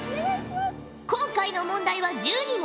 今回の問題は１２問